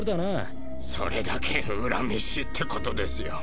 それだけ恨めしいってことですよ。